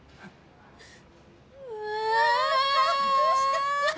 うわどうした？